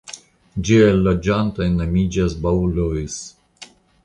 Ĝiaj loĝantoj nomiĝas "Baulois".